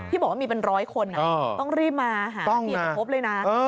ที่บอกว่ามีเป็นร้อยคนต้องรีบมาหาเหตุผลเลยนะ